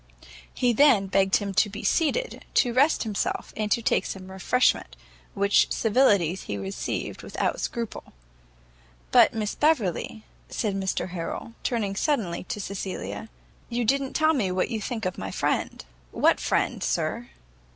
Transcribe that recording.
He then begged him to be seated, to rest himself, and to take some refreshment; which civilities he received without scruple. "But, Miss Beverley," said Mr Harrel, turning suddenly to Cecilia, "you don't tell me what you think of my friend?" "What friend, sir?"